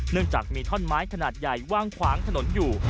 จากมีท่อนไม้ขนาดใหญ่ว่างขวางถนนอยู่